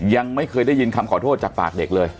ยังไม่เคยได้ยินคำขอโทษจากปากเด็กเลย